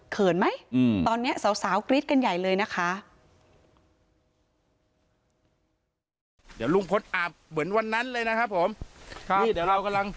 ไหมตอนนี้สาวกรี๊ดกันใหญ่เลยนะคะ